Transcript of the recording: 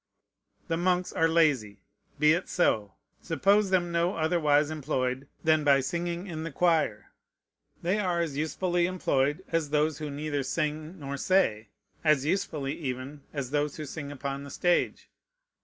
The monks are lazy. Be it so. Suppose them no otherwise employed than by singing in the choir. They are as usefully employed as those who neither sing nor say, as usefully even as those who sing upon the stage.